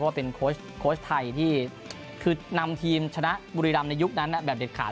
ว่าเป็นโค้ชไทยที่คือนำทีมชนะบุรีรำในยุคนั้นแบบเด็ดขาด